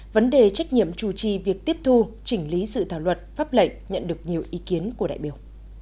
vấn đề trách nhiệm chủ trì việc tiếp thu chỉnh lý dự thảo luật pháp lệnh nhận được nhiều ý kiến của đại biểu